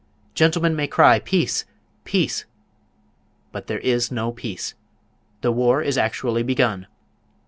Gentlemen may cry "Peace, peace!" but there is no peace! The war is actually begun!